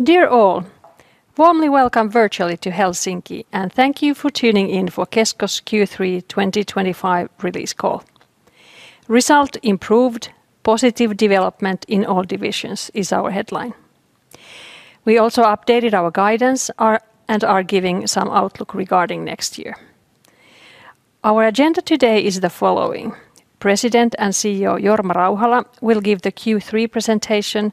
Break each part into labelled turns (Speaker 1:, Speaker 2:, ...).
Speaker 1: Dear all, warmly welcome virtually to Helsinki and thank you for tuning in for Kesko's Q3 2025 release call. Result improved, positive development in all divisions is our headline. We also updated our guidance and are giving some outlook regarding next year. Our agenda today is the President and CEO Jorma Rauhala will give the Q3 presentation.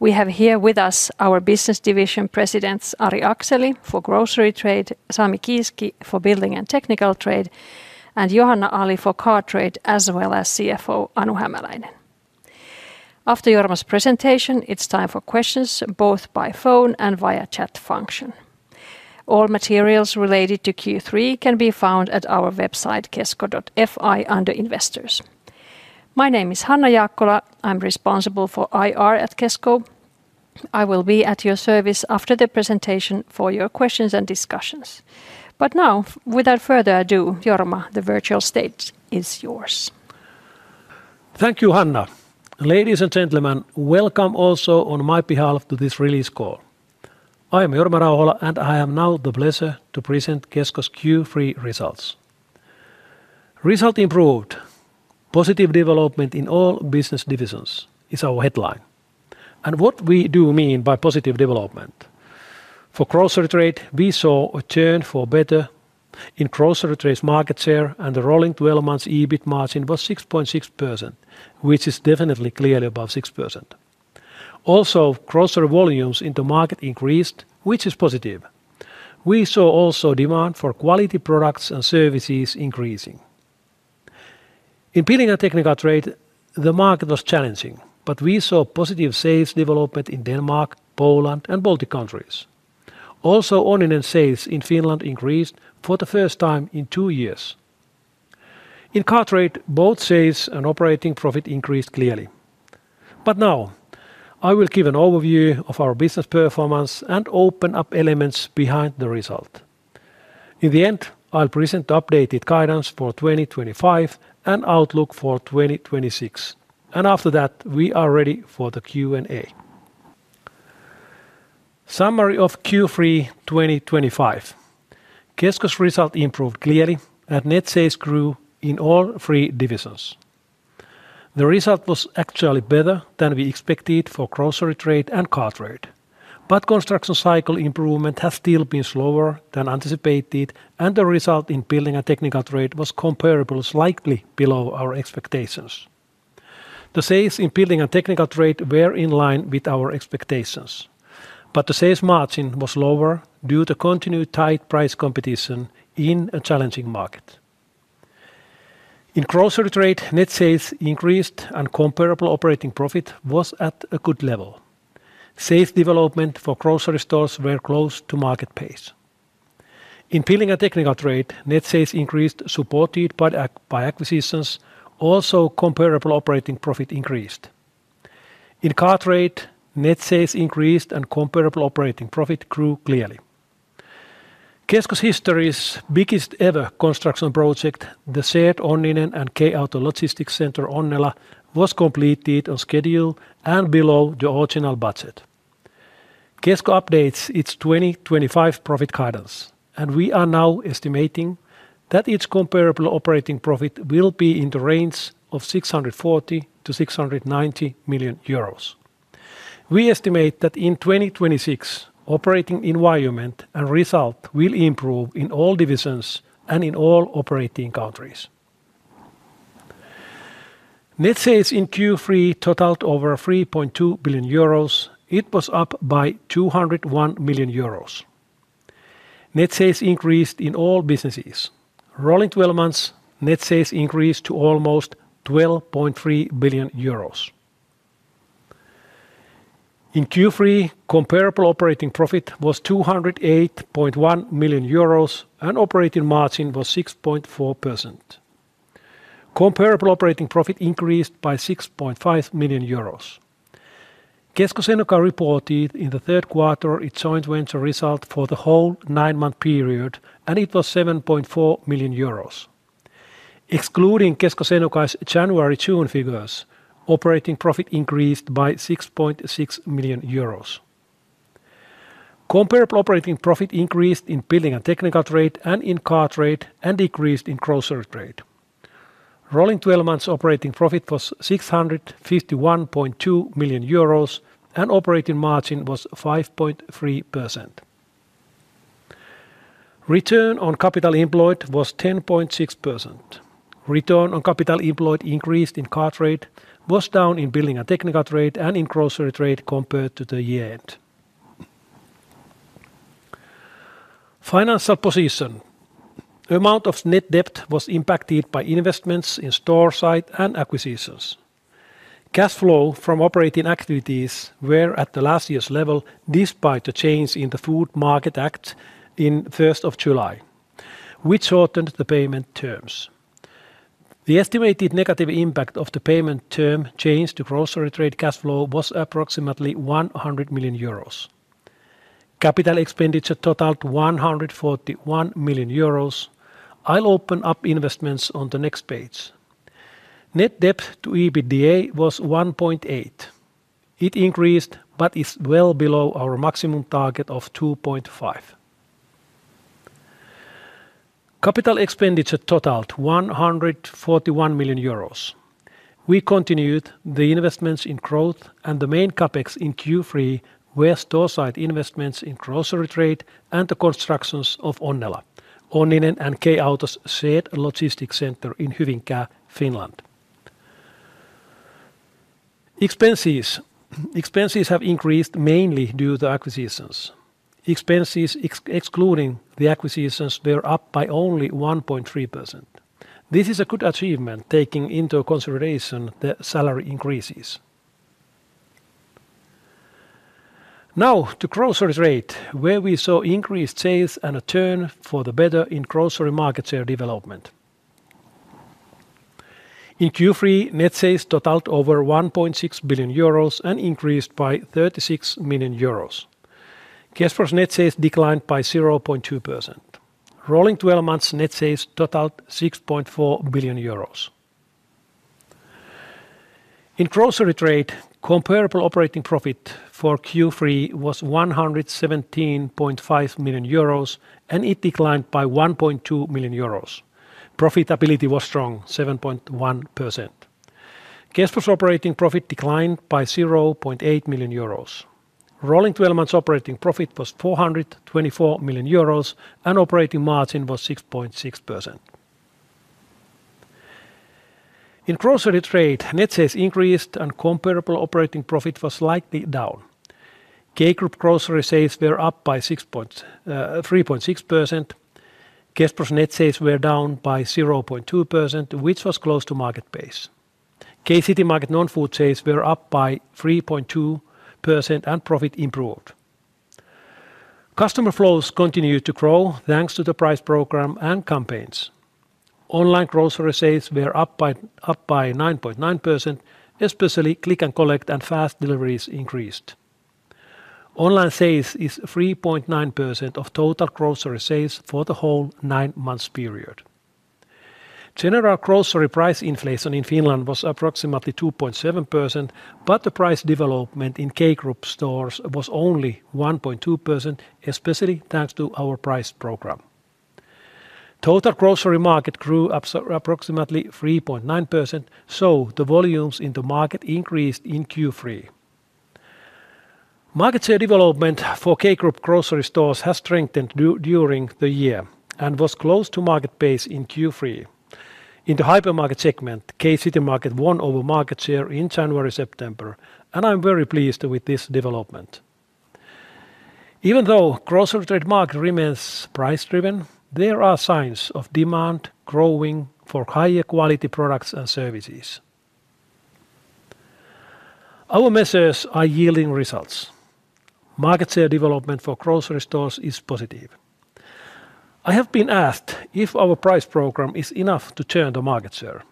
Speaker 1: We have here with us our business division presidents Ari Akseli for Grocery Trade, Sami Kiiski for Building and Technical Trade, and Johanna Ali for Car Trade, as well as CFO Anu Hämäläinen. After Jorma's presentation it's time for questions both by phone and via chat function. All materials related to Q3 can be found at our website kesko.fi under Investors. My name is Hanna Jaakkola, I'm responsible for IR at Kesko. I will be at your service after the presentation for your questions and discussions. Now, without further ado, Jorma, the virtual stage is yours.
Speaker 2: Thank you, Hanna. Ladies and gentlemen, welcome also on my behalf to this results call. I am Jorma Rauhala and I have now the pleasure to present Kesko's Q3 results. Result improved. Positive development in all business divisions is our headline, and what we do mean by positive development for grocery trade. We saw a turn for better in grocery trade. Market share and the rolling 12-month EBIT margin was 6.6%, which is definitely clearly above 6%. Also, cross-store volumes into market increased, which is positive. We saw also demand for quality products and services increasing in building and technical trade. The market was challenging, but we saw positive sales development in Denmark, Poland, and Baltics. Also, B2B sales in Finland increased for the first time in two years. In car trade, both sales and operating profit increased clearly. Now I will give an overview of our business performance and open up elements behind the result. In the end, I'll present the updated guidance for 2025 and outlook for 2026, and after that we are ready for the Q&A. Summary of Q3 2025: Kesko's result improved clearly and net sales grew in all three divisions. The result was actually better than we expected for grocery trade and car trade. Construction cycle improvement has still been slower than anticipated, and the result in building and technical trade was comparable, slightly below our expectations. The sales in building and technical trade were in line with our expectations, but the sales margin was lower due to continued tight price competition in a challenging market. In grocery trade, net sales increased and comparable operating profit was at a good level. Sales development for grocery stores were close to market pace. In building and technical trade, net sales increased supported by acquisitions. Also, comparable operating profit increased. In car trade, net sales increased and comparable operating profit grew clearly. Kesko's history's biggest ever construction project, the shared Onnela and K-Auto Logistics Centre in Hyvinkää, was completed on schedule and below the original budget. Kesko updates its 2025 profit guidance, and we are now estimating that its comparable operating profit will be in the range of €640 million-€690 million. We estimate that in 2026, operating environment and result will improve in all divisions and in all operating countries. Net sales in Q3 totaled over €3.2 billion. It was up by €201 million. Net sales increased in all businesses rolling 12 months. Net sales increased to almost €12.3 billion in Q3. Comparable operating profit was €208.1 million and operating margin was 6.4%. Comparable operating profit increased by €6.5 million. Kesko Senukai reported in the third quarter its joint venture result for the whole nine month period and it was €7.4 million. Excluding Kesko Senukai's January-June figures, operating profit increased by €6.6 million. Comparable operating profit increased in Building and Technical Trade and in Car Trade and decreased in Grocery Trade. Rolling 12 months, operating profit was €651.2 million and operating margin was 5.3%. Return on capital employed was 10.6%. Return on capital employed increased in Car Trade, was down in Building and Technical Trade and in Grocery Trade compared to the year-end financial position. The amount of net debt was impacted by investments in store sites and acquisitions. Cash flow from operating activities was at the last year's level despite the change in the Food Market Act on 1st of July which shortened the payment terms. The estimated negative impact of the payment term change to Grocery Trade cash flow was approximately €100 million. Capital expenditure totaled €141 million. I'll open up investments on the next page. Net debt to EBITDA was 1.8. It increased but is well below our maximum target of 2.5. Capital expenditure totaled €141 million. We continued the investments in growth and the main CapEx in Q3 were store site investments in Grocery Trade and the construction of Onnela Logistics Centre and K-Auto's shared logistics centre in Hyvinkää, Finland. Expenses have increased mainly due to acquisitions. Expenses excluding the acquisitions were up by only 1.3%. This is a good achievement taking into consideration the salary increases now to Grocery Trade where we saw increased sales and a turn for the better in grocery market share development in Q3. Net sales totaled over €1.6 billion and increased by €36 million. Kesko's net sales declined by 0.2%. Rolling 12 months, net sales totaled €6.4 billion. In Grocery Trade, comparable operating profit for Q3 was €117.5 million and it declined by €1.2 million. Profitability was strong at 7.1%. Kesko's operating profit declined by €0.8 million. Rolling 12 months, operating profit was €424 million and operating margin was 6.6%. In Grocery Trade, net sales increased and comparable operating profit was slightly down. K Group grocery sales were up by 3.6%. Guests for net sales were down by 0.2%, which was close to market pace. K-Citymarket non-food sales were up by 3.2% and profit improved. Customer flows continued to grow thanks to the price program and campaigns. Online grocery sales were up by 9.9%, especially click and collect and fast deliveries increased. Online sales is 3.9% of total grocery sales for the whole nine months period. General grocery price inflation in Finland was approximately 2.7%, but the price development in K Group stores was only 1.2%, especially thanks to our price program. Total grocery market grew approximately 3.9%, so the volumes in the market increased in Q3. Market share development for K Group grocery stores has strengthened during the year and was close to market pace in Q3. In the hypermarket segment, K-Citymarket won over market share in January-September and I'm very pleased with this development. Even though grocery trade market remains price driven, there are signs of demand growing for higher quality products and services. Our measures are yielding results. Market share development for grocery stores is positive. I have been asked if our price program is enough to turn the market share.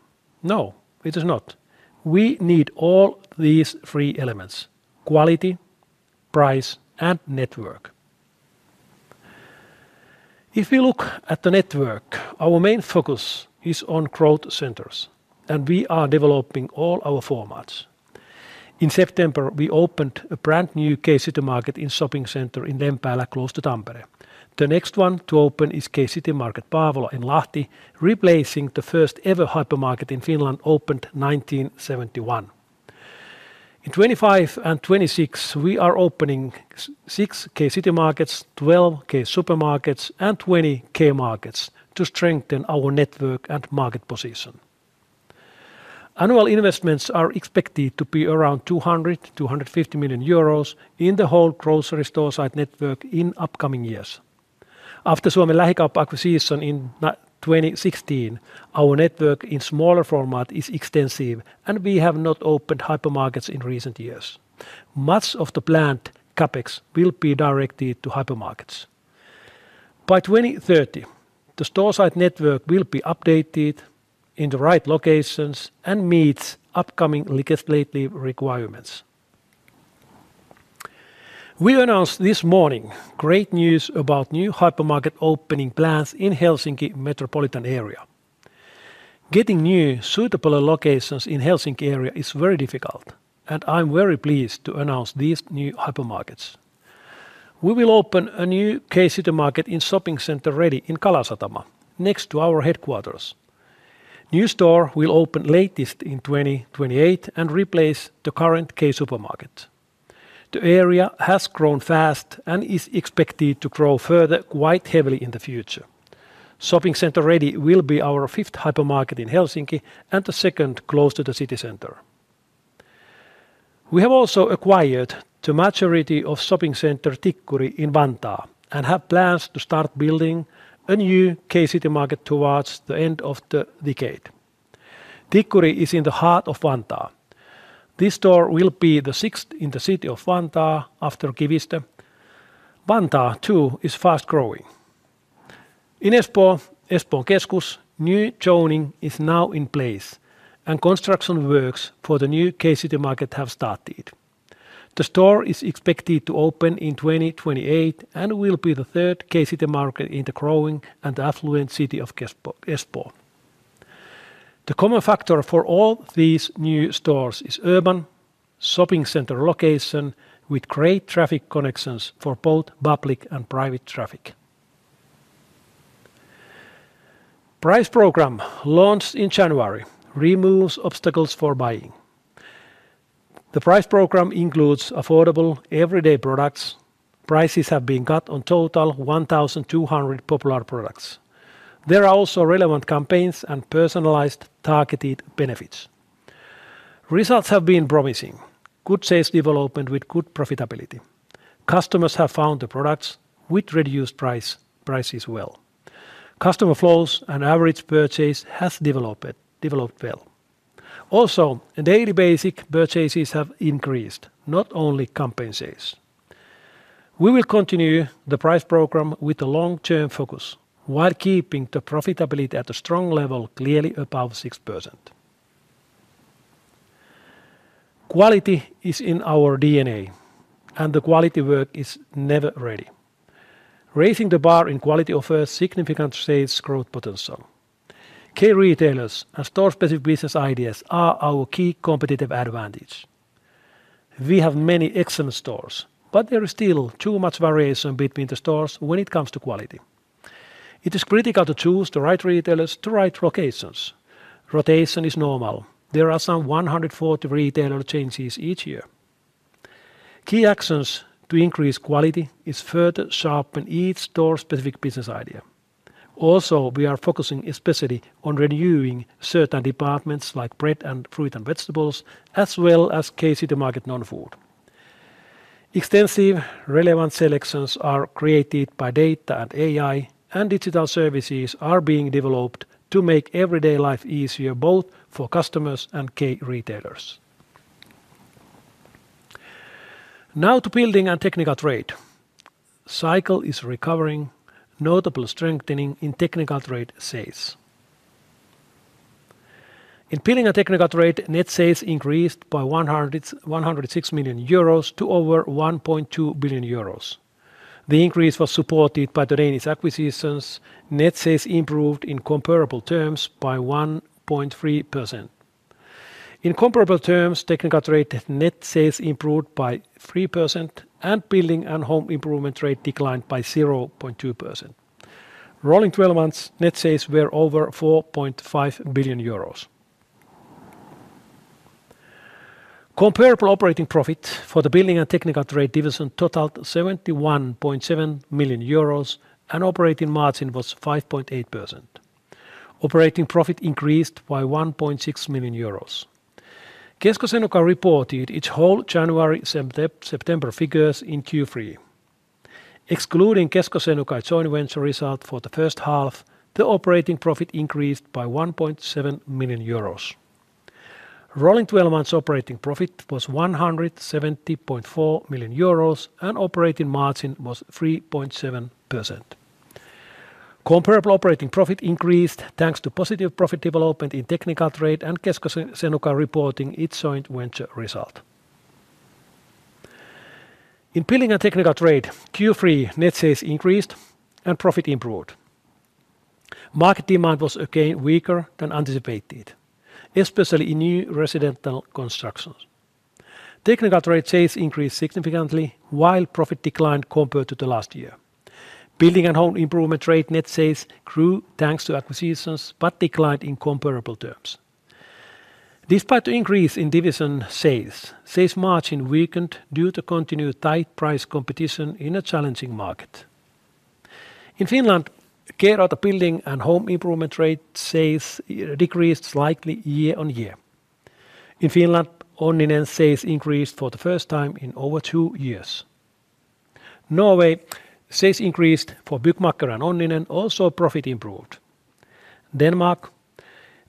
Speaker 2: No, it is not. We need all these three: quality, price, and network. If we look at the network, our main focus is on growth centers and we are developing all our formats. In September, we opened a brand new K-Citymarket in shopping centre in Den Pala close to Tampere. The next one to open is K-Citymarket Paavola in Lahti, replacing the first ever hypermarket in Finland opened 1971. In 2025 and 2026, we are opening 6 K-Citymarkets, 12 K-Supermarkets, and 20 K-Markets to strengthen our network and market position. Annual investments are expected to be around €200 million-€250 million in the whole grocery store site network in upcoming years. After Suomen Lähikauppa acquisition in 2016, our network in smaller format is extensive and we have not opened hypermarkets in recent years. Much of the planned CapEx will be directed to hypermarkets by 2030. The store site network will be updated in the right locations and meets upcoming legislative requirements. We announced this morning great news about new hypermarket opening plans in Helsinki metropolitan area. Getting new suitable locations in Helsinki area is very difficult and I'm very pleased to announce these new hypermarkets. We will open a new K-Citymarket in shopping center Redi in Kalasatama next to our headquarters. New store will open latest in 2028 and replace the current K-Supermarket. The area has grown fast and is expected to grow further quite heavily in the future. Shopping Centre Ready will be our fifth hypermarket in Helsinki and the second close to the city center. We have also acquired the majority of shopping centre Tikkuri in Vantaa and have plans to start building a new K-Citymarket towards the end of the decade. Tikkuri is in the heart of Vantaa. This store will be the sixth in the city of Vantaa after Kivistö. Vantaa too is fast growing. In Espoo, Espoo Keskus new zoning is now in place and construction works for the new K-Citymarket have started. The store is expected to open in 2028 and will be the third K-Citymarket in the growing and affluent city of Espoo. The common factor for all these new stores is urban shopping center location with great traffic connections for both public and private traffic. Price program launched in January removes obstacles for buying. The price program includes affordable everyday products. Prices have been cut on total 1,200 popular products. There are also relevant campaigns and personalized targeted benefits. Results have been promising. Good sales development with good profitability. Customers have found the products with reduced prices well. Customer flows and average purchase has developed well. Also daily basic purchases have increased not only compensates. We will continue the price program with a long-term focus while keeping the profitability at a strong level. Clearly above 6%. Quality is in our DNA and the quality work is never ready. Raising the bar in quality offers significant sales growth potential. Key retailers and store specific business ideas are our key competitive advantage. We have many excellent stores but there is still too much variation between the stores. When it comes to quality, it is critical to choose the right retailers to right locations. Rotation is normal. There are some 140 retailer changes each year. Key actions to increase quality is further sharpen each store specific business idea. Also we are focusing especially on renewing certain departments like bread and fruit and vegetables as well as K-Citymarket non-food. Extensive relevant selections are created by data and AI and digital services are being developed to make everyday life easier both for customers and key retailers. Now to building and technical trade cycle is recovering, notably strengthening in technical trade sales. In building and technical trade, net sales increased by €106 million to over €1.2 billion. The increase was supported by Durani's acquisitions. Net sales improved in comparable terms by 1.3%. In comparable terms, technical trade net sales improved by 3% and building and home improvement rate declined by 0.2%. Rolling 12 months, net sales were over €4.5 billion. Comparable operating profit for the building and technical trade division totaled €71.7 million and operating margin was 5.8%. Operating profit increased by €1.6 million. Kesko Seneca reported its whole January–September figures in Q3 excluding Kesko Seneca joint venture result for the first half. The operating profit increased by €1.7 million. Rolling 12 months, operating profit was €170.4 million and operating margin was 3.7%. Comparable operating profit increased thanks to positive profit development in technical trade and Kesko Seneca reporting its joint venture result. In building and technical trade Q3 net sales increased and profit improved. Market demand was again weaker than anticipated, especially in new residential constructions. Technical trade sales increased significantly while profit declined compared to the last year. Building and home improvement trade net sales grew thanks to acquisitions but declined in comparable terms despite the increase in division sales. Sales margin weakened due to continued tight price competition in a challenging market. In Finland, core out of building and home improvement trade sales decreased slightly year on year. In Finland, Onninen sales increased for the first time in over two years. Norway sales increased for Byggmakker and Onninen, also profit improved. Denmark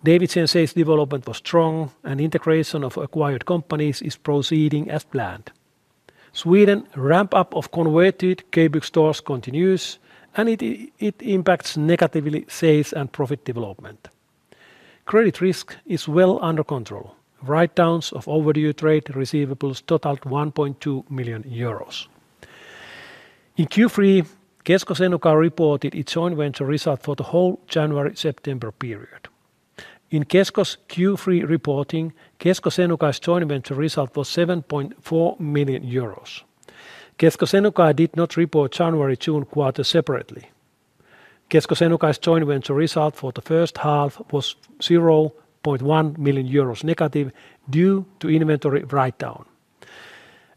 Speaker 2: Davidsen sales development was strong and integration of acquired companies is proceeding as planned. Sweden ramp-up of converted K-Rauta stores continues and it impacts negatively sales and profit development. Credit risk is well under control. Write-downs of overdue trade receivables totaled €1.2 million. In Q3, Kesko Senukai reported its joint venture result for the whole January-September period. In Kesko's Q3 reporting, Kesko Senukai's joint venture result was €7.4 million. Kesko Senukai did not report January-June quarter separately, Kesko Senukai's joint venture result for the first half was €0.1 million negative due to inventory write-down.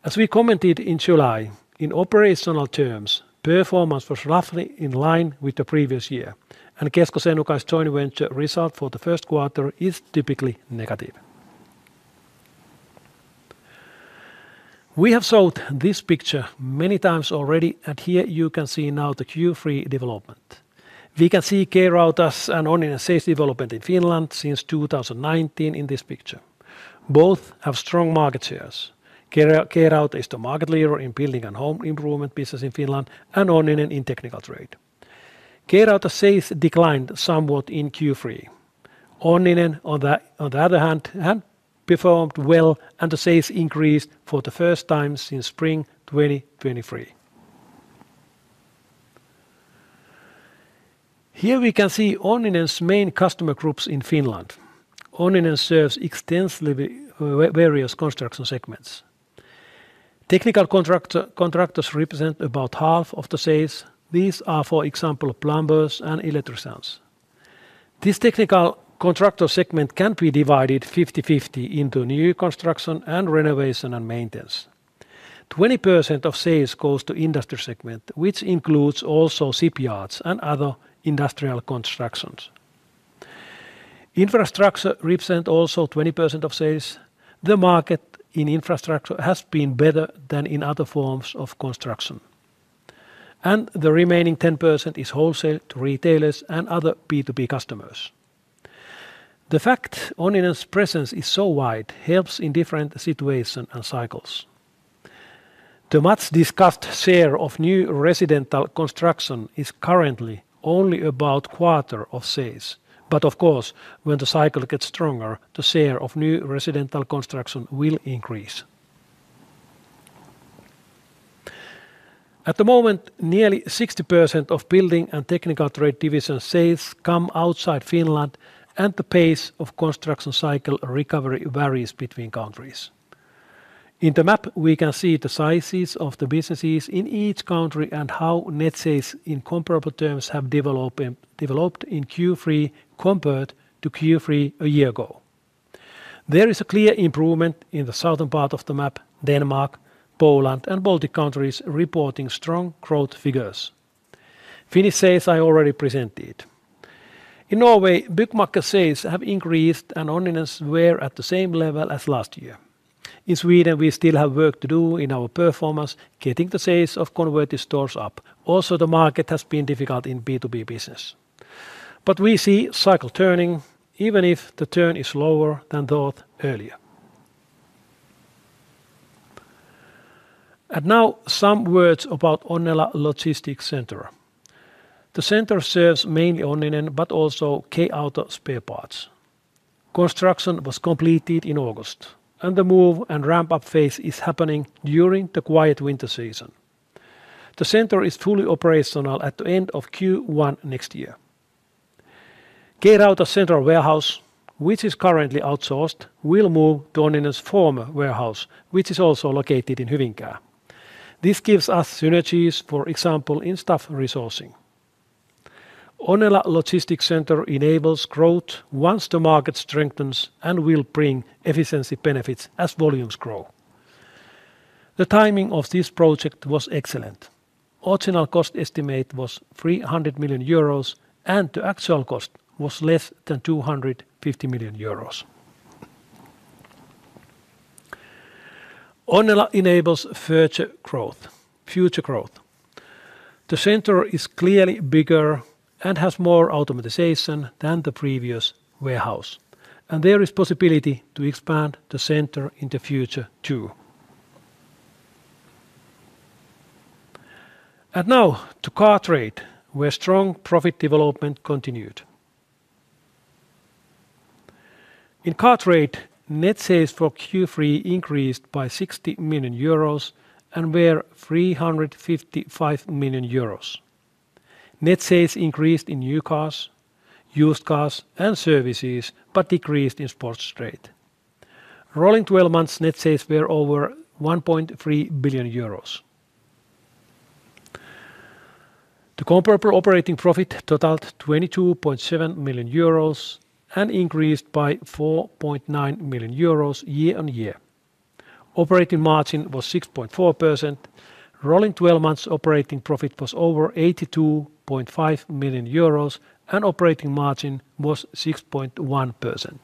Speaker 2: As we commented in July, in operational terms performance was roughly in line with the previous year and Kesko Senukai's joint venture result for the first quarter is typically negative. We have showed this picture many times already and here you can see now the Q3 development. We can see K-Rauta as an ongoing safe development in Finland since 2019. In this picture both have strong market shares. K-Rauta is the market leader in building and home improvement business in Finland and Onninen in technical trade. K-Rauta sales declined somewhat in Q3. Onninen on the other hand performed well and the sales increased for the first time since spring 2023. Here we can see Onninen's main customer groups in Finland. Onninen serves extensively various construction segments. Technical contractors represent about half of the sales. These are for example plumbers and electricians. This technical contractor segment can be divided 50/50 into new construction and renovation and maintenance. 20% of sales goes to industry segment which includes also CPRS and other industrial constructions. Infrastructure represent also 20% of sales. The market in infrastructure has been better than in other forms of construction and the remaining 10% is wholesale to retailers and other B2B customers. The fact our finance presence is so wide helps in different situations and cycles. The much discussed share of new residential construction is currently only about a quarter of sales. Of course, when the cycle gets stronger, the share of new residential construction will increase. At the moment, nearly 60% of Building and Technical Trade division sales come outside Finland and the pace of construction cycle recovery varies between countries. In the map, we can see the sizes of the businesses in each country and how net sales in comparable terms have developed in Q3 compared to Q3 a year ago. There is a clear improvement in the southern part of the map. Denmark, Poland, and the Baltics are reporting strong growth figures. Finnish sales I already presented. In Norway, Byggmakker sales have increased and Onninen was at the same level as last year. In Sweden, we still have work to do in our performance getting the sales of converted stores up. Also, the market has been difficult in B2B business. We see the cycle turning even if the turn is slower than those earlier. Now some words about Onnela Logistics Centre. The centre serves mainly Onninen but also K-Auto spare parts. Construction was completed in August and the move and ramp-up phase is happening during the quiet winter season. The centre is fully operational at the end of Q1. Next year, K-Auto central warehouse, which is currently outsourced, will move to Onninen's former warehouse, which is also located in Hyvinkää. This gives us synergies, for example in staff resourcing. Onnela Logistics Centre enables growth once the market strengthens and will bring efficiency benefits as volumes grow. The timing of this project was excellent. Original cost estimate was €300 million and the actual cost was less than €250 million. Onnela enables future growth. The centre is clearly bigger and has more automation than the previous warehouse. There is possibility to expand the centre in the future too. Now to car trade where strong profit development continued. In Car Trade, net sales for Q3 increased by €60 million and were €355 million. Net sales increased in new cars, used cars, and services, but decreased in sports trade. Rolling 12 months, net sales were over €1.3 billion. The comparable operating profit totaled €22.7 million and increased by €4.9 million. Year on year, operating margin was 6.4%. Rolling 12 months, operating profit was over €82 million and operating margin was 6.1%.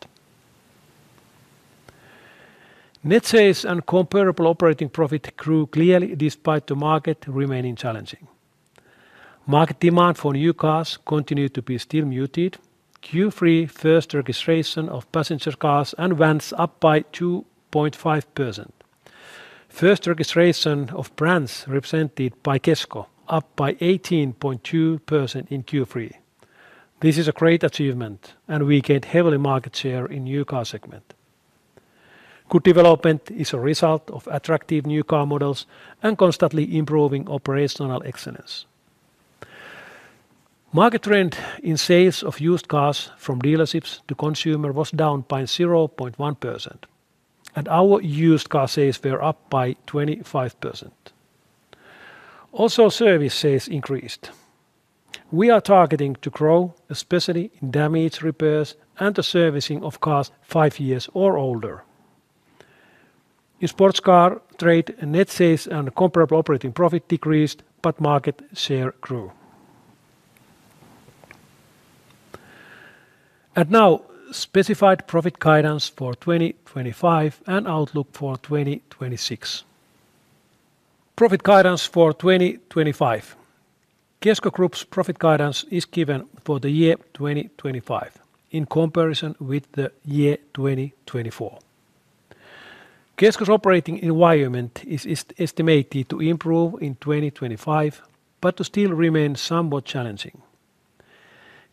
Speaker 2: Net sales and comparable operating profit grew clearly. Despite the market remaining challenging, market demand for new cars continues to be still muted. Q3 first registration of passenger cars and vans was up by 2.5%. First registration of brands represented by Kesko, up by 18.2% in Q3. This is a great achievement and we gained heavily market share in the new car segment. Good development is a result of attractive new car models and constantly improving operational excellence. Market trend in sales of used cars from dealerships to consumers was down by 0.1% and our used car sales were up by 25%. Also, service sales increased. We are targeting to grow especially in damage repairs and the servicing of cars five years or older. In sports car trade, net sales and comparable operating profit decreased but market share grew and now specified. Profit guidance for 2025 and outlook for 2026. Profit guidance for 2025 Kesko Group's profit guidance is given for the year 2025 in comparison with the year 2024. Kesko's operating environment is estimated to improve in 2025 but to still remain somewhat challenging.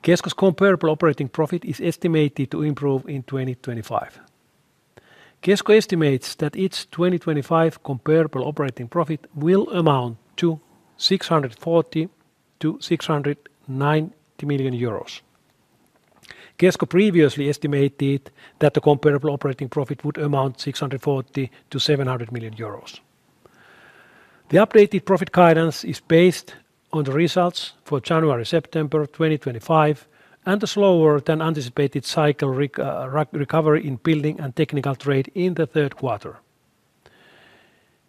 Speaker 2: Kesko's comparable operating profit is estimated to improve in 2025. Kesko estimates that its 2025 comparable operating profit will amount to €640 million-€690 million. Kesko previously estimated that the comparable operating profit would amount to €640 million-€700 million. The updated profit guidance is based on the results for January–September 2025 and a slower than anticipated cycle recovery in building and technical trade in the third quarter.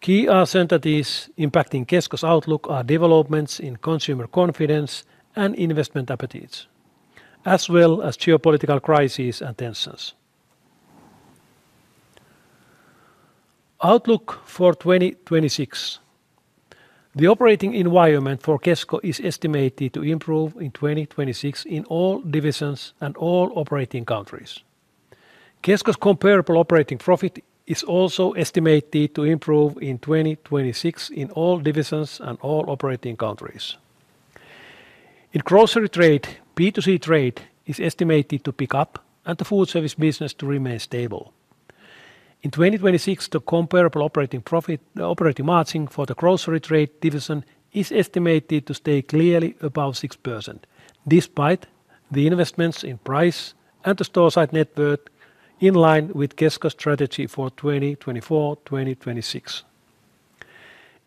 Speaker 2: Key uncertainties impacting Kesko's outlook are developments in consumer confidence and investment appetites as well as geopolitical crises and tensions. Outlook for 2026, the operating environment for Kesko is estimated to improve in 2026 in all divisions and all countries. Kesko's comparable operating profit is also estimated to improve in 2026 in all divisions and all operating countries. In grocery trade, B2C trade is estimated to pick up and the food service business to remain stable. In 2026, the comparable operating margin for the grocery trade division is estimated to stay clearly above 6% despite the investments in price and the store site network in line with Kesko strategy for 2024.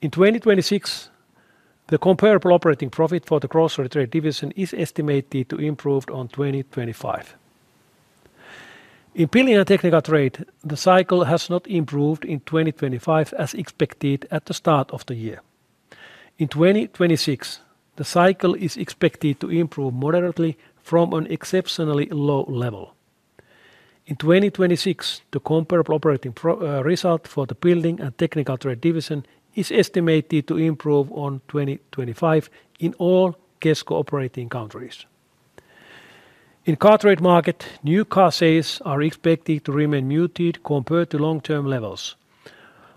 Speaker 2: In 2026, the comparable operating profit for the grocery trade division is estimated to improve on 2025. In building and technical trade, the cycle has not improved in 2025 as expected at the start of the year. In 2026, the cycle is expected to improve moderately from an exceptionally low level. In 2026, the comparable operating result for the building and technical trade division is estimated to improve on 2025 in all Kesko operating countries. In car trade market, new car sales are expected to remain muted compared to long term levels,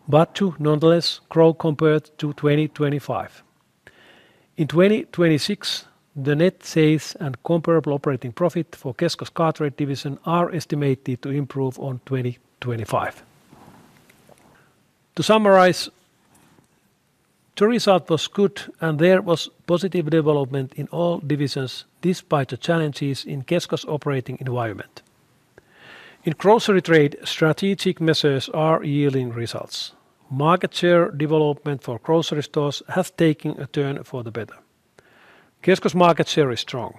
Speaker 2: but to nonetheless grow compared to 2025. In 2026, the net sales and comparable operating profit for Kesko's car trade division are estimated to improve on 2025. To summarize, the result was good and there was positive development in all divisions despite the challenges in Kesko's operating environment. In grocery trade, strategic measures are yielding results. Market share development for grocery stores has taken a turn for the better. Kesko's market share is strong,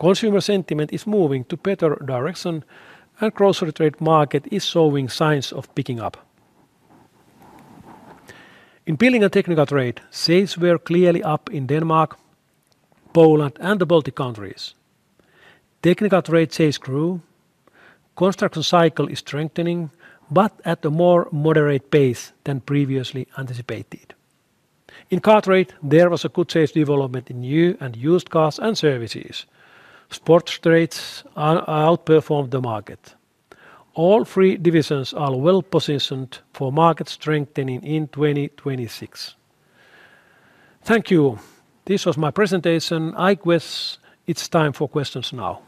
Speaker 2: consumer sentiment is moving to better direction and grocery trade market is showing signs of picking up. In building and technical trade, sales were clearly up in Denmark, Poland, and the Baltics. Technical trade sales grew, construction cycle is strengthening but at a more moderate pace than previously anticipated. In car trade, there was a good sales development in new and used cars and services. Sports trade outperformed the market. All three divisions are well positioned for market strengthening in 2026. Thank you. This was my presentation. I guess it's time for questions now.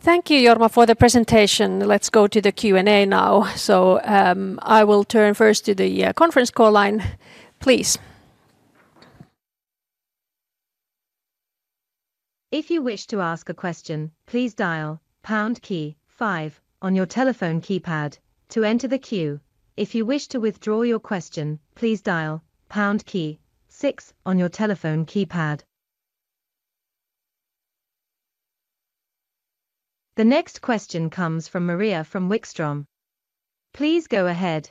Speaker 1: Thank you, Jorma, for the presentation. Let's go to the Q&A now, so I will turn first to the conference call line. Please.
Speaker 3: If you wish to ask a question, please dial on your telephone keypad to enter the queue. If you wish to withdraw your question, please dial 6 on your telephone keypad. The next question comes from Maria Wikström. Please go ahead.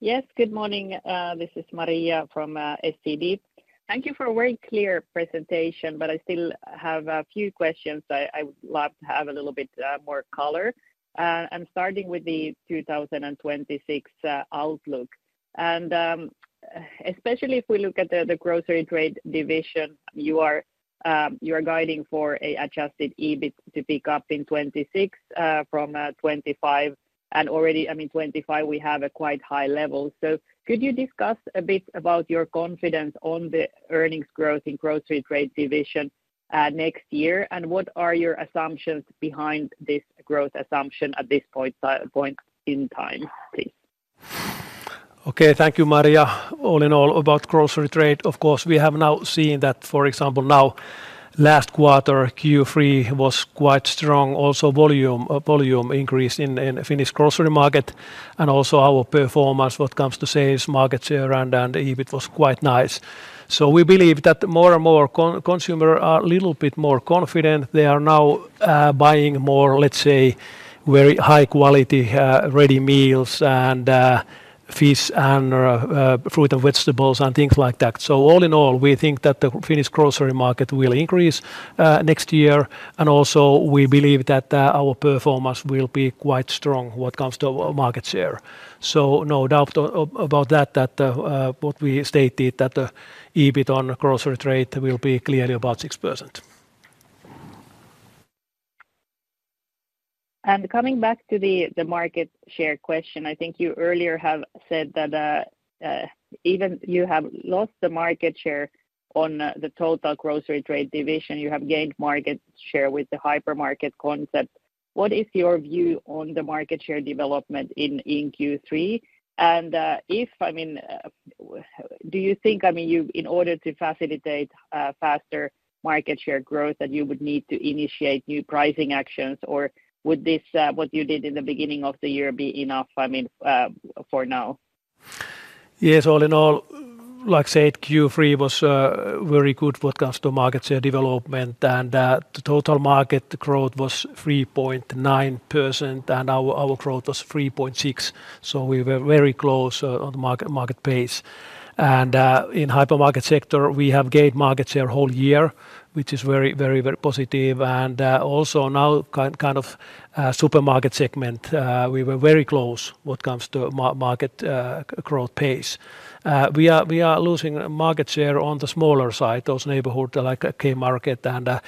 Speaker 4: Yes, good morning, this is Maria from SEB. Thank you for a very clear presentation, but I still have a few questions. I would love to have a little bit more color, and starting with the 2026 outlook, especially if we look at the Grocery Trade division. You are guiding for an adjusted EBIT to pick up in 2026 from 2025, and already, I mean, 2025 we have a quite high level. Could you discuss a bit about your confidence on the earnings growth in Grocery Trade division next year and what are your assumptions behind this growth assumption at this point in time, please.
Speaker 2: Okay, thank you Maria. All in all about grocery trade, of course we have now seen that for example now last quarter Q3 was quite strong. Also volume increase in Finnish grocery market and also our performance what comes to sales market share and EBIT was quite nice. We believe that more and more consumers are a little bit more confident. They are now buying more, let's say very high quality ready meals and fish and fruit and vegetables and things like that. All in all we think that the Finnish grocery market will increase next year and also we believe that our performance will be quite strong when it comes to market share. No doubt about that what we stated that the EBITDA on grocery trade will be clearly about 6%.
Speaker 4: Coming back to the market share question, I think you earlier have said that even though you have lost the market share on the total grocery trade division, you have gained market share with the hypermarket concept. What is your view on the market share development in Q3, and do you think in order to facilitate faster market share growth that you would need to initiate new pricing actions, or would what you did in the beginning of the year be enough for now?
Speaker 2: Yes. All in all, like said, Q3 was very good for customer market share development, and the total market growth was 3.9% and our growth was 3.6%. We were very close on market base, and in hypermarket sector we have gained market share whole year, which is very, very, very positive. Also, now kind of supermarket segment, we were very close when it comes to market growth pace. We are losing market share on the smaller side, those neighborhood like K-Market, and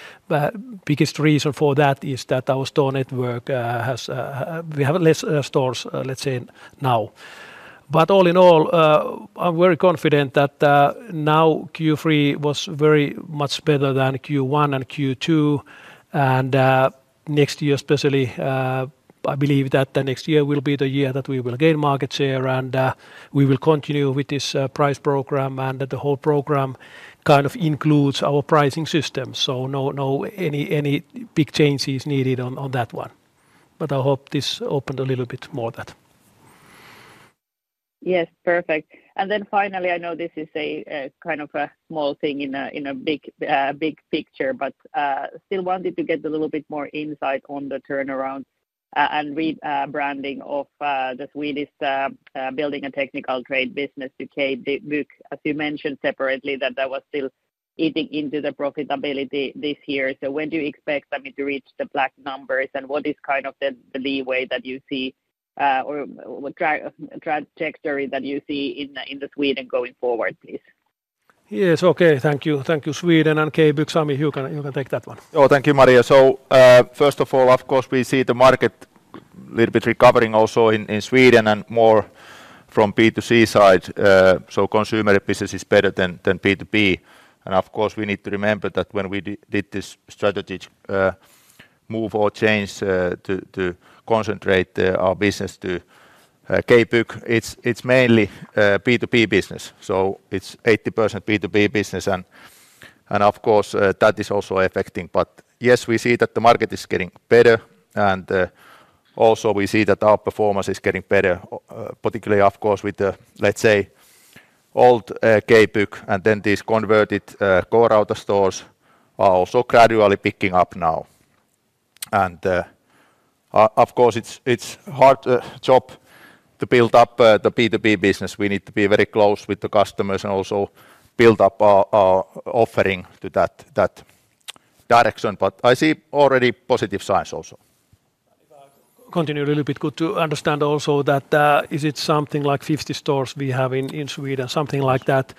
Speaker 2: biggest reason for that is that our store network has. We have fewer stores let's say now. All in all, I'm very confident that now Q3 was very much better than Q1 and Q2, and next year especially, I believe that the next year will be the year that we will gain market share and we will continue with this price program and that the whole program kind of includes our pricing system. No big changes needed on that one. I hope this opened a little bit more of that.
Speaker 4: Yes, perfect. Finally, I know this is kind of a small thing in a big picture, but still wanted to get a little bit more insight on the turnaround and rebranding of the Swedish building and technical trade business, as you mentioned separately that was still eating into the profitability this year. When do you expect to reach the black numbers, and what is kind of the leeway that you see or trajectory that you see in Sweden going forward, please?
Speaker 2: Yes. Okay, thank you. Thank you, Sweden and maybe Sami, you can take that one.
Speaker 5: Thank you, Maria. First of all, of course we see the market a little bit recovering also in Sweden and more from the B2C side. Consumer business is better than B2B. We need to remember that when we did this strategy move or change to concentrate our business to Capuc, it's mainly B2B business. It's 80% B2B business. That is also affecting. Yes, we see that the market is getting better and also we see that our performance is getting better, particularly with the, let's say, old K-Book and then these converted Gorouter stores also gradually picking up now. Of course it's a hard job to build up the B2B business. We need to be very close with the customers and also build up our offering to that direction. I see already positive signs also.
Speaker 2: Continue a little bit. Good to understand also that is it something like 50 stores we have in Sweden, something like that.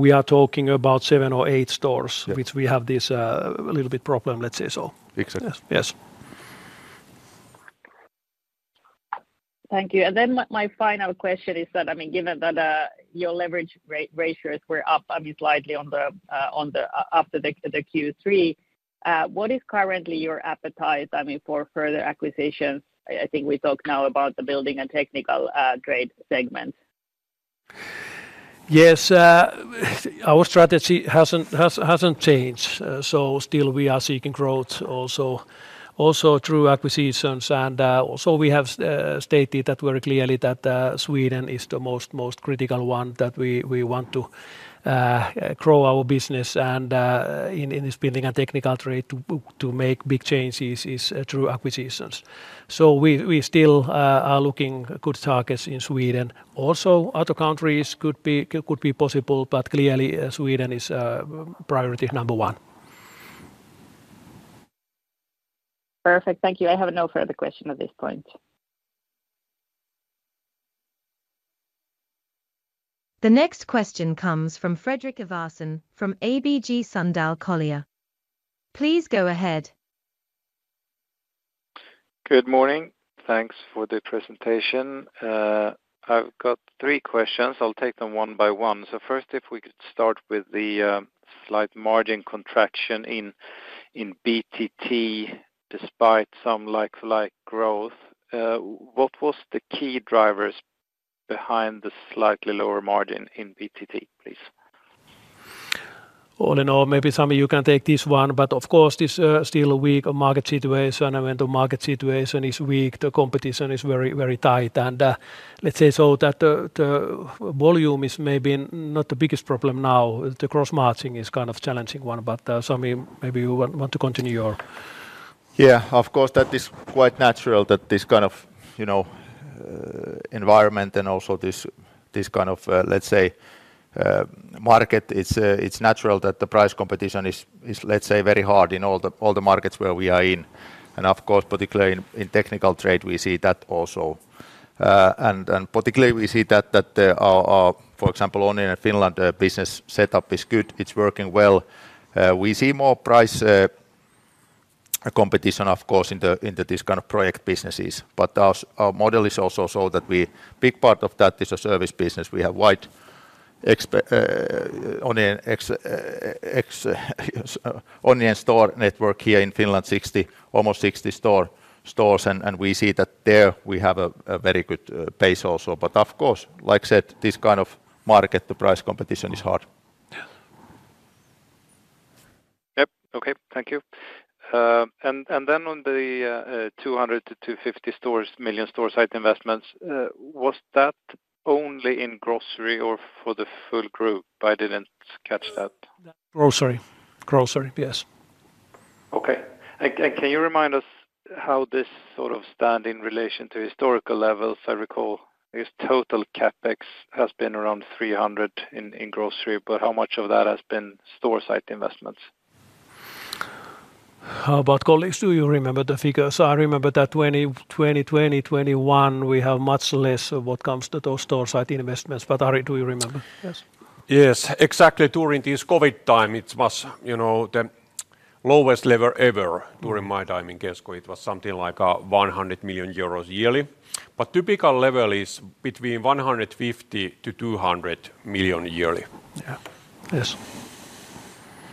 Speaker 2: We are talking about seven or eight stores which we have this little bit problem, let's say so. Yes.
Speaker 4: Thank you. My final question is that, given that your leverage ratios were up slightly after Q3, what is currently your appetite for further acquisitions? I think we talk now about the building and technical trade segment.
Speaker 2: Yes, our strategy hasn't changed. We are seeking growth also through acquisitions. We have stated very clearly that Sweden is the most critical one where we want to grow our business, and in expanding a technical trade to make big changes through acquisitions. We still are looking for good targets in Sweden. Also, other countries could be possible, but clearly Sweden is priority number one.
Speaker 4: Perfect, thank you. I have no further question at this point.
Speaker 3: The next question comes from Fredrik Ivarsson from ABG Sundal Collier. Please go ahead.
Speaker 6: Good morning. Thanks for the presentation. I've got three questions. I'll take them one by one. First, if we could start with the slight margin contraction in BTT despite some like-for-like growth. What were the key drivers behind the slightly lower margin in BTT, please?
Speaker 2: All in all, maybe Sami, you can take this one. Of course, this is still a weak market situation. When the market situation is weak, the competition is very, very tight. Let's say so that the volume is maybe not the biggest problem now. The cross marching is kind of a challenging one, but maybe you want to continue.
Speaker 5: Yeah, of course that is quite natural in this kind of environment and also this kind of, let's say, market. It's natural that the price competition is, let's say, very hard in all the markets where we are in. Of course, particularly in technical trade, we see that also. Particularly, we see that, for example, only in Finland the business setup is good, it's working well. We see more price competition, of course, in this kind of project businesses. Our model is also so that a big part of that is a service business. We have a wide Onnela store network here in Finland, almost 60 stores. We see that there we have a very good base also. Of course, like I said, in this kind of market, the price competition is hard.
Speaker 6: Okay, thank you. On the €200 million-€250 million store site investments, was that only in grocery or for the full group? I didn't catch that.
Speaker 2: Grocery. Yes.
Speaker 6: Okay. Can you remind us how this sort of stands in relation to historical levels? I recall, I guess total CapEx has been around €300 million in grocery. How much of that has been store site investments?
Speaker 2: How about colleagues? Do you remember the figures? I remember that 2020, 2021 we have much less of what comes to those stores at investments. Ari, do you remember?
Speaker 7: Yes, yes, exactly. During this Covid time it was the lowest level ever. During my time in Kesko it was something like €100 million yearly. Typical level is between €150 million-€200 million yearly.
Speaker 8: Yeah. Yes.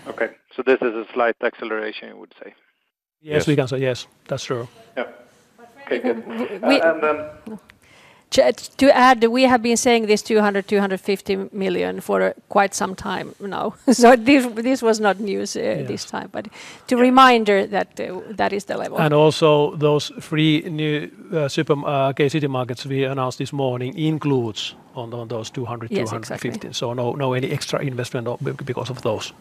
Speaker 6: Okay, this is a slight acceleration, you would say.
Speaker 5: Yes, we can say yes, that's true.
Speaker 8: To add, we have been saying this €200 million, €250 million for quite some time now. This was not news this time. To remind her, that is the level.
Speaker 2: Also, those three new K-Citymarket stores we announced this morning are included in those 200, 215. So, no extra investment because of those.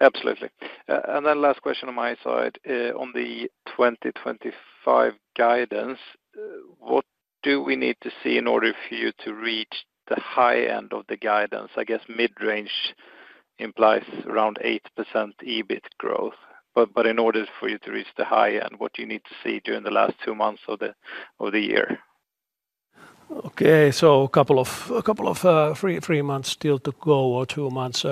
Speaker 6: Absolutely. Last question on my side on the 2025 guidance, what do we need to see in order for you to reach the high end of the guidance? I guess mid range implies around 8% EBIT growth, but in order for you to reach the high end, what do you need to see during the last two months of the year?
Speaker 2: Okay, so a couple of three months still to go or two months,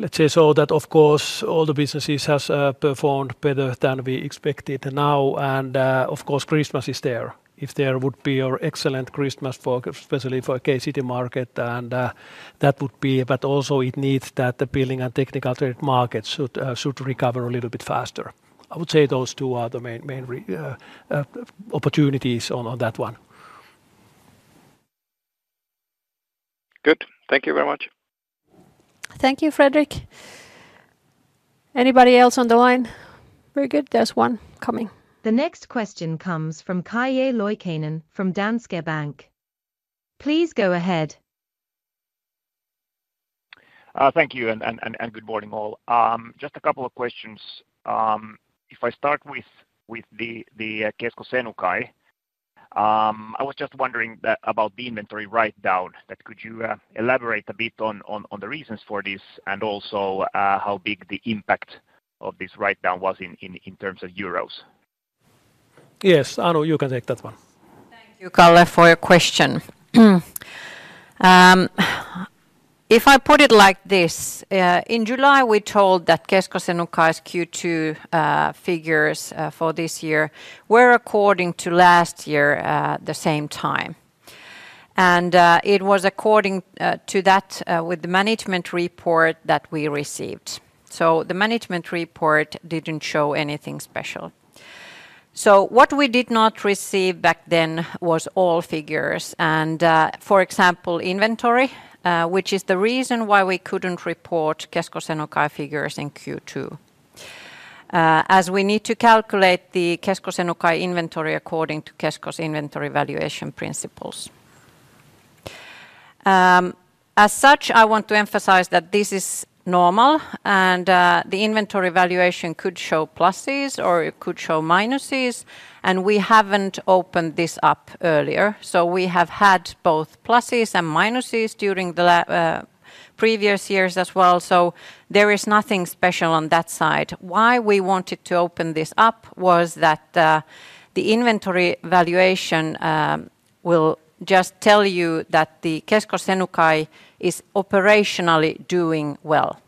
Speaker 2: let's say. Of course, all the businesses have performed better than we expected now. Of course, Christmas is there; if there would be an excellent Christmas, especially for K-Citymarket, that would be. Also, it needs that the Building and Technical Trade market should recover a little bit faster. I would say those two are the main opportunities on that one.
Speaker 6: Good. Thank you very much.
Speaker 1: Thank you, Fredrik. Anybody else on the line? Very good. There's one coming.
Speaker 3: The next question comes from Calle Loikkanen from Danske Bank. Please go ahead.
Speaker 9: Thank you and good morning all. Just a couple of questions. If I start with the Kesko Senukai, I was just wondering about the inventory write-down. Could you elaborate a bit on the reasons for this and also how big the impact of this write-down was in terms of euros.
Speaker 8: Yes, Anu, you can take that one. Thank you, Calle, for your question. If I put it like this. In July we told that Kesko Senukai's Q2 figures for this year were according to last year the same time, and it was according to that with the management report that we received. The management report didn't show anything special. What we did not receive back then was all figures and, for example, inventory, which is the reason why we couldn't report Kesko Senukai figures in Q2 as we need to calculate the Kesko Senukai inventory according to Kesko's inventory valuation principles. As such, I want to emphasize that this is normal and the inventory valuation could show pluses or it could show minuses. We haven't opened this up earlier. We have had both pluses and minuses during the previous years as well. There is nothing special on that side. Why we wanted to open this up was that the inventory valuation will just tell you that the Kesko Senukai is operationally doing well.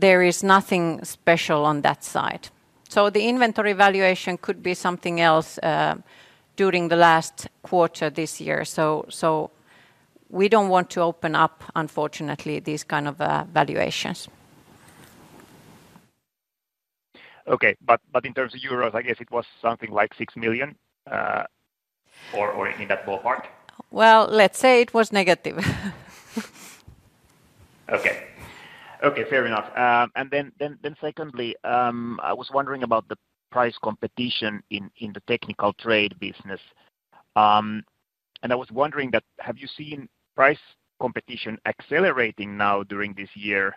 Speaker 8: There is nothing special on that side. The inventory valuation could be something else during the last quarter this year. We don't want to open up, unfortunately, these kind of valuations.
Speaker 9: Okay, in terms of euros, I guess it was something like €6 million in that ballpark.
Speaker 8: It was negative.
Speaker 9: Okay. Okay, fair enough. Secondly, I was wondering about the price competition in the technical trade business, and I was wondering if you have seen price competition accelerating now during this year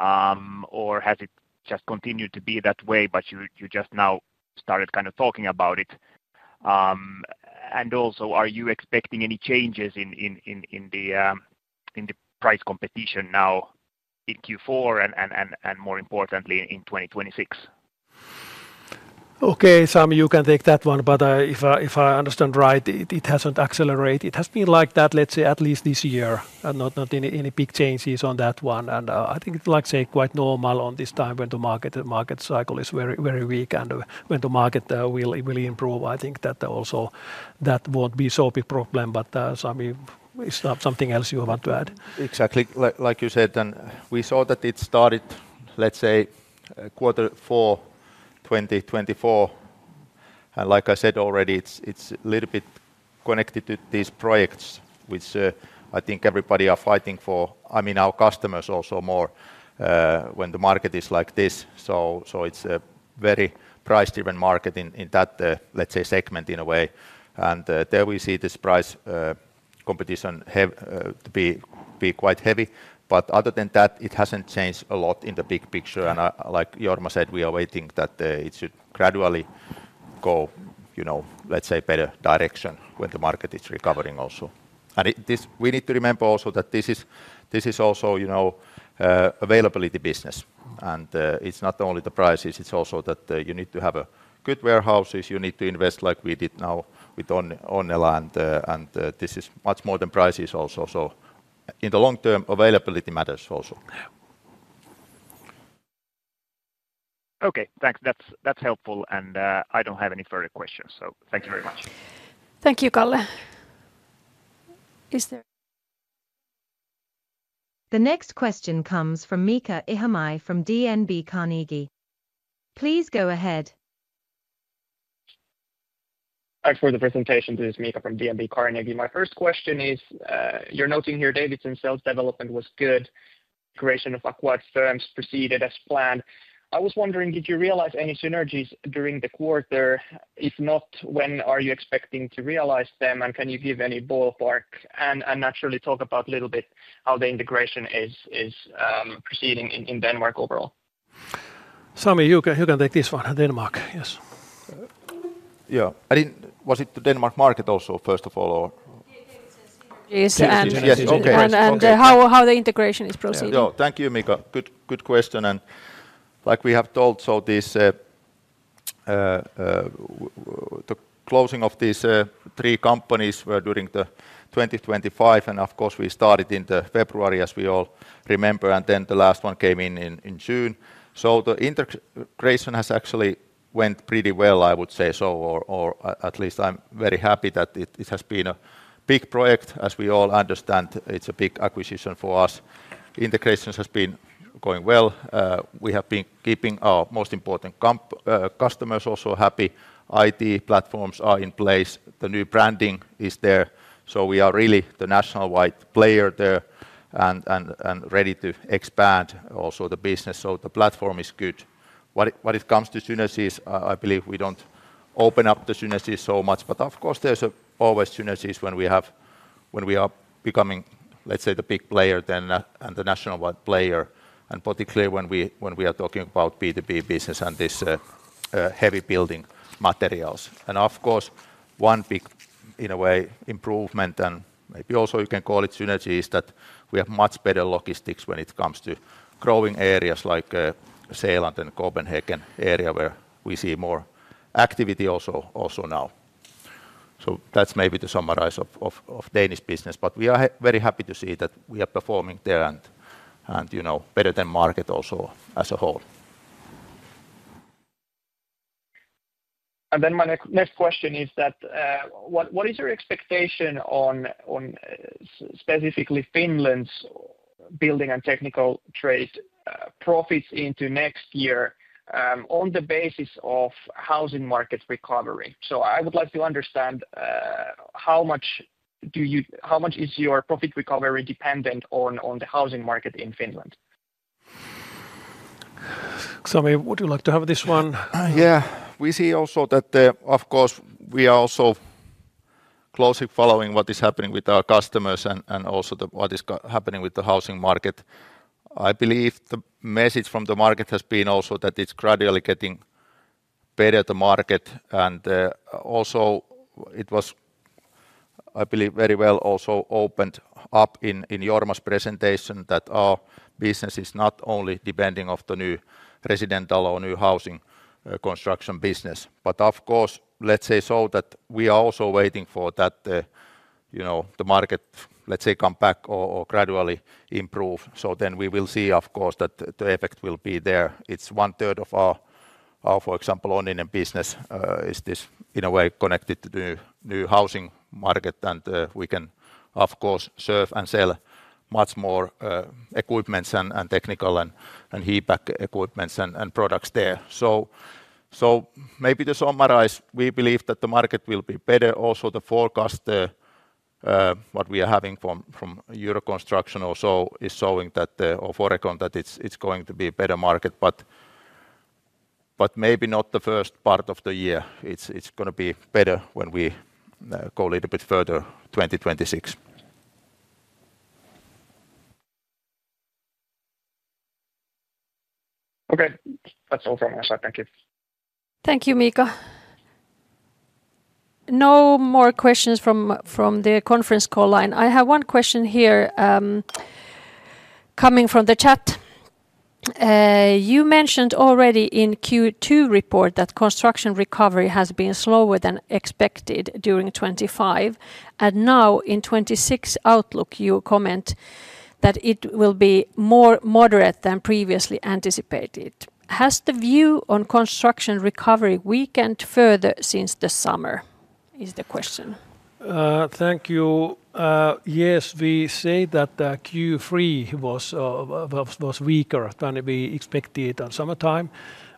Speaker 9: or has it just continued to be that way. You just now started kind of talking about it, and also are you expecting any changes in the price competition now in Q4 and more importantly in 2026?
Speaker 2: Okay, Sami, you can take that one. If I understand right, it hasn't accelerated. It has been like that, let's say at least this year, not any big changes on that one. I think, like I say, quite normal on this time when the market cycle is very weak and when the market will improve. I think that also. That won't be so big problem. It's not something else you want to add.
Speaker 5: Exactly. Like you said, we saw that it started, let's say, quarter four, 2024. Like I said already, it's a little bit connected to these projects, which I think everybody is fighting for. I mean, our customers also more when the market is like this. It's a very price-driven market in that, let's say, segment in a way. There we see this price competition to be quite heavy. Other than that, it hasn't changed a lot in the big picture. Like Jorma said, we are waiting that it should gradually go, you know, let's say, in a better direction when the market is recovering also. We need to remember also that this is also, you know, an availability business. It's not only the prices, it's also that you need to have good warehouses, you need to invest like we did now with Onnela. This is much more than prices also. In the long term, availability matters also.
Speaker 9: Okay, thanks, that's helpful. I don't have any further questions. Thank you very much.
Speaker 1: Thank you. Calle, is there?
Speaker 3: The next question comes from Miika Ihamaki from DNB Carnegie. Please go ahead.
Speaker 10: Thanks for the presentation. This is Mika from DNB Carnegie. My first question is, you're noting here Denmark sales development was good. Creation of acquired firms proceeded as planned. I was wondering, did you realize any synergies during the quarter? If not, when are you expecting to realize them? Can you give any ballpark and naturally talk about a little bit how the integration is proceeding in Denmark overall.
Speaker 2: Sami, you can take this one. Denmark. Yes.
Speaker 5: Yeah. Was it the Denmark market also, first of all?
Speaker 8: How is the integration proceeding?
Speaker 5: Thank you. Mika, good question. Like we have told, the closing of these three companies during 2025, and of course we started in February as we all remember, and the last one came in in June. The integration has actually went pretty well, I would say. At least I'm very happy that it has been a big project. As we all understand, it's a big acquisition for us. Integrations have been going well. We have been keeping our most important customers also happy. IT platforms are in place, the new branding is there. We are really the nationwide player there and ready to expand also the business. The platform is good. When it comes to synergies, I believe we don't open up the synergies so much. Of course there's always synergies when we have, when we are becoming, let's say, the big player and the national player. Particularly when we are talking about B2B business and this heavy building materials, and of course one big, in a way, improvement and maybe also you can call it synergy is that we have much better logistics when it comes to growing areas like Zealand and Copenhagen area where we see more activity also now. That's maybe to summarize the Danish business, but we are very happy to see that we are performing there and, you know, better than market also as a whole.
Speaker 10: What is your expectation on specifically Finland's building and technical trade profits into next year on the basis of housing market recovery? I would like to understand how much is your profit recovery dependent on the housing market in Finland?
Speaker 2: Sami, would you like to have this one?
Speaker 5: Yeah, we see also that of course we are also closely following what is happening with our customers and also what is happening with the housing market. I believe the message from the market has been also that it's gradually getting better at the market. I believe it was very well also opened up in Jorma's presentation that our business is not only depending on the new residential or new housing construction business. Of course, let's say so that we are also waiting for that, you know, the market, let's say, come back or gradually improve. We will see of course that the effect will be there. It's one third of our, for example, in business is this in a way connected to the new housing market. We can of course serve and sell much more equipment and technical and HVAC equipment and products there. Maybe to summarize, we believe that the market will be better. Also, the forecast, what we are having from Euroconstruction, also is showing that it's going to be a better market, but maybe not the first part of the year. It's going to be better when we go a little bit further, 2026.
Speaker 10: Okay, that's all from my side. Thank you.
Speaker 1: Thank you. Mika. No more questions from the conference call line. I have one question here coming from the chat. You mentioned already in the Q2 report that construction recovery has been slower than expected during 2025, and now in the 2026 outlook you comment that it will be more moderate than previously anticipated. Has the view on construction recovery weakened further since the summer is the question.
Speaker 2: Thank you. Yes, we say that Q3 was weaker than we expected in summertime,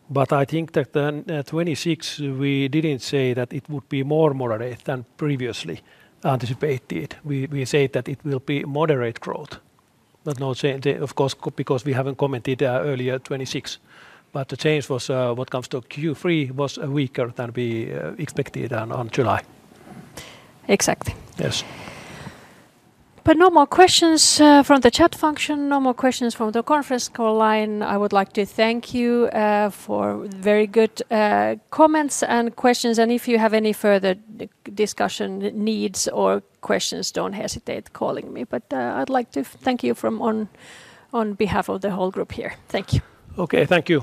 Speaker 2: but I think that 2026 we didn't say that it would be more moderate than previously anticipated. We said that it will be moderate growth, but no change of course because we haven't commented earlier. 2026, but the change was what comes to Q3 was weaker than we expected in July.
Speaker 8: Exactly.
Speaker 2: Yes.
Speaker 1: No more questions from the chat function. No more questions from the conference call line. I would like to thank you for very good comments and questions, and if you have any further discussion needs or questions, don't hesitate calling me. I would like to thank you on behalf of the whole group here. Thank you.
Speaker 2: Okay, thank you.